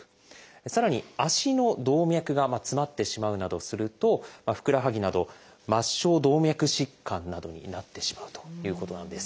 さらに足の動脈が詰まってしまうなどするとふくらはぎなど末梢動脈疾患などになってしまうということなんです。